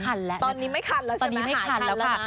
ตอนนี้ไม่คั้นแล้วใช่ไหมหายคันแล้วค่ะตอนนี้ไม่คั้นแล้วนะคะ